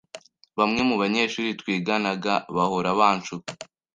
Bamwe mubanyeshuri twiganaga bahora banshuka.